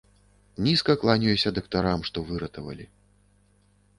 Нізка кланяюся дактарам, што выратавалі.